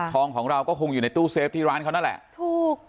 ของเราก็คงอยู่ในตู้เซฟที่ร้านเขานั่นแหละถูก